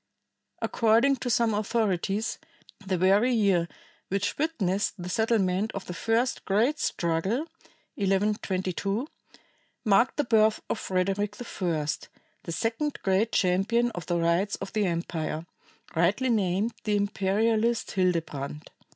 According to some authorities, the very year which witnessed the settlement of the first great struggle (1122), marked the birth of Frederick I, the second great champion of the rights of the empire, rightly named the imperialist Hildebrand.